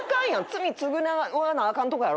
罪償わなあかんとこやろ。